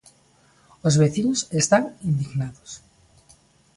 Os veciños están indignados.